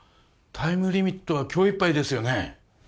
タイムリミットは今日いっぱいですよね？